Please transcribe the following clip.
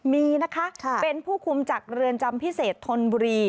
มีนะคะเป็นผู้คุมจากเรือนจำพิเศษธนบุรี